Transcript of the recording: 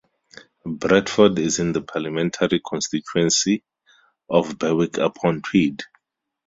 Bradford is in the parliamentary constituency of Berwick-upon-Tweed.